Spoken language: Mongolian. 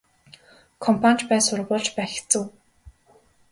Компани ч бай сургууль ч бай хэцүү.